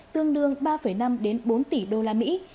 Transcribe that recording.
tương đương ba năm đến bốn tỷ đô la mỹ